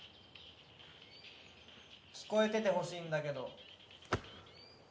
聞こえててほしいんだけど。